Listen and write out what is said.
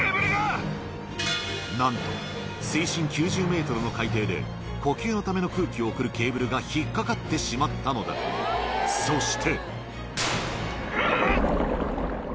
なんと水深９０ｍの海底で呼吸のための空気を送るケーブルが引っ掛かってしまったのだそしてうっ！